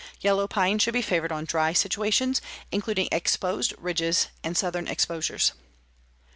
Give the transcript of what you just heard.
Yellow pine should be favored on dry situations, including exposed ridges and southern exposures.